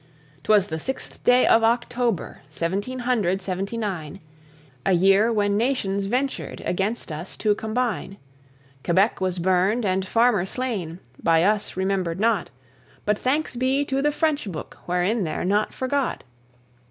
Twas the sixth day of October, seventeen hundred seventy nine, A year when nations ventured against us to combine, Quebec was burned and Farmer slain, by us remembered not; But thanks be to the French book wherein they're not forgot.